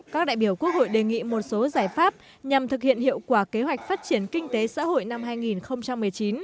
các đại biểu quốc hội đề nghị một số giải pháp nhằm thực hiện hiệu quả kế hoạch phát triển kinh tế xã hội năm hai nghìn một mươi chín